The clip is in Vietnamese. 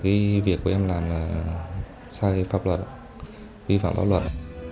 cái việc của em làm là sai pháp luật vi phạm pháp luật